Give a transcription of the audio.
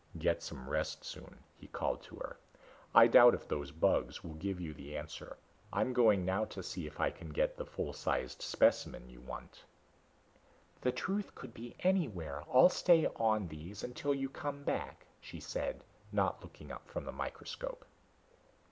"Get some rest soon," he called to her. "I doubt if those bugs will give you the answer. I'm going now to see if I can get the full sized specimen you want." "The truth could be anywhere. I'll stay on these until you come back," she said, not looking up from the microscope.